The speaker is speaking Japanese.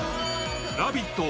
「ラヴィット！」